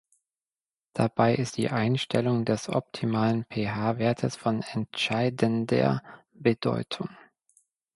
Dabei ist die Einstellung des optimalen pH-Wertes von entscheidender Bedeutung.